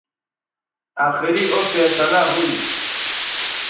آخری او فیصلہ ھون